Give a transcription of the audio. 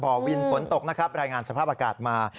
พอวินฝนตกนะครับรายงานสภาพอากาศมา